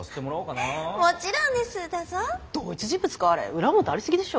裏表ありすぎでしょ。